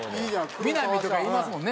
「南」とかいますもんね。